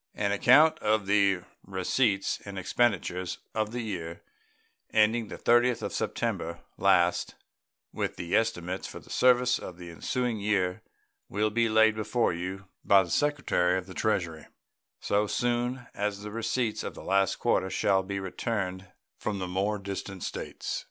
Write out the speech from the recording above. An account of the receipts and expenditures of the year ending the 30th of September last, with the estimates for the service of the ensuing year, will be laid before you by the Secretary of the Treasury so soon as the receipts of the last quarter shall be returned from the more distant States.